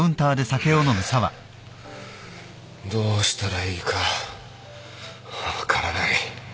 どうしたらいいか分からない